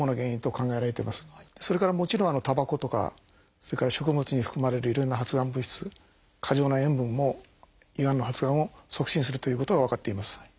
それから食物に含まれるいろんな発がん物質過剰な塩分も胃がんの発がんを促進するということが分かっています。